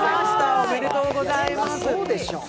おめでとうございます。